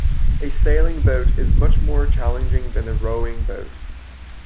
A sailing boat is much more challenging than a rowing boat